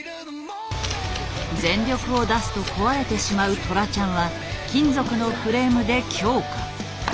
全力を出すと壊れてしまうトラちゃんは金属のフレームで強化。